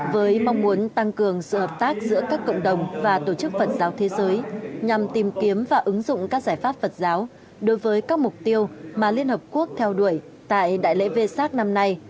với mong muốn tăng cường sự hợp tác giữa các cộng đồng và tổ chức phật giáo thế giới nhằm tìm kiếm và ứng dụng các giải pháp phật giáo đối với các mục tiêu mà liên hợp quốc theo đuổi tại đại lễ v sac năm nay